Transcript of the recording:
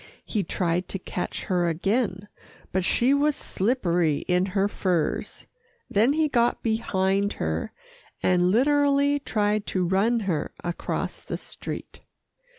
He tried to catch her again, but she was slippery in her furs, then he got behind her, and literally tried to run her across the street.